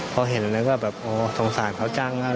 เพราะเห็นแล้วก็สงสารเขาจัง